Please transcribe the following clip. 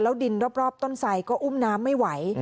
แล้วดินรอบต้นทรายก็อุ้มน้ำไม่ไหว